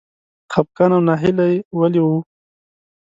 خپګان او ناهیلي ولې و؟